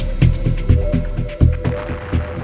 ขอโทษครับและสังคมด้วย